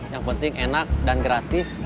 yang penting enak dan gratis